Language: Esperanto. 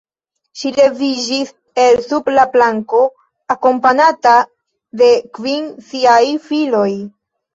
Ŝi leviĝis el sub la planko, akompanata de kvin siaj filoj.